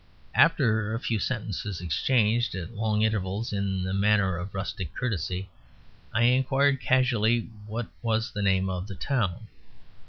After a few sentences exchanged at long intervals in the manner of rustic courtesy, I inquired casually what was the name of the town.